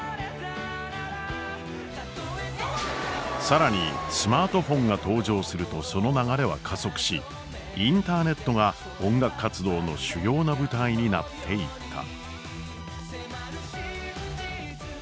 更にスマートフォンが登場するとその流れは加速しインターネットが音楽活動の主要な舞台になっていった。